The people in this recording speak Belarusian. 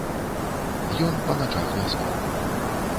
Ён па начах не спаў.